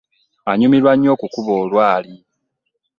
Anyumirwa nnyo okukuba olwali!